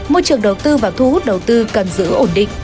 môi trường đầu tư và thu hút đầu tư cần giữ ổn định